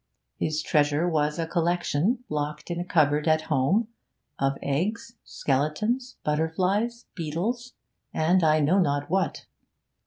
His treasure was a collection, locked in a cupboard at home, of eggs, skeletons, butterflies, beetles, and I know not what.